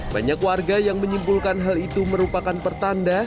banyak warga yang menyimpulkan hal itu merupakan pertanda